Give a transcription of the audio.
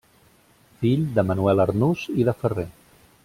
Fill de Manuel Arnús i de Ferrer.